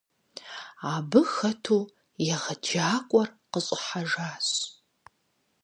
Абы хэту егъэджакӏуэр къыщӀыхьэжащ.